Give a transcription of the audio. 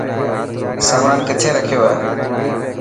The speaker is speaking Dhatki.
سامان ڪٿي رکيو هي.